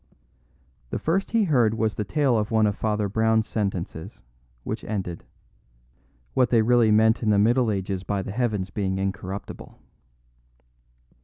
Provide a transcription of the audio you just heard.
The first he heard was the tail of one of Father Brown's sentences, which ended: "... what they really meant in the Middle Ages by the heavens being incorruptible."